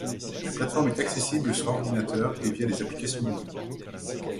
La plate-forme est accessible sur ordinateur et via des applications mobiles.